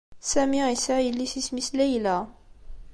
Sami yesɛa yelli-s isem-is Layla.